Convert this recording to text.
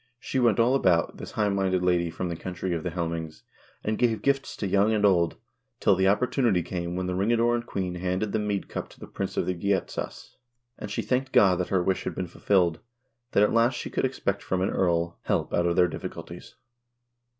She went all about, this highminded lady from the country of the Helmings, and gave gifts to young and old, till the oppor tunity came when the ring adorned queen handed the meadcup to the prince of the Geatas, and she thanked God that her wish had been ful filled, that at last she could expect from an earl help out of their diffi culties."